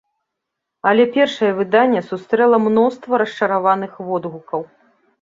Але першае выданне сустрэла мноства расчараваных водгукаў.